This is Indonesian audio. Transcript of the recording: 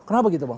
kenapa gitu bang